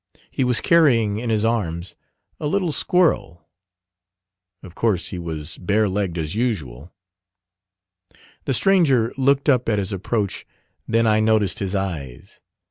He was carrying in his arms a little squirrel. Of course he was barelegged as usual. The stranger looked up at his approach; then I noticed his eves.